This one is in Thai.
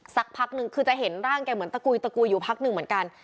สักพักนึงคือจะเห็นร่างแกเหมือนตะกุยตะกุยอยู่พักหนึ่งเหมือนกัน